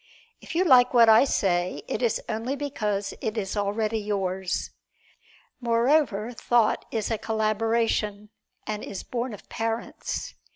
If you like what I say it is only because it is already yours. Moreover, thought is a collaboration, and is born of parents.